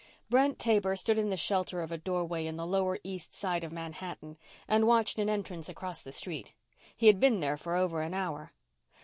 _Brent Taber stood in the shelter of a doorway on the Lower East Side of Manhattan and watched an entrance across the street. He had been there for over an hour.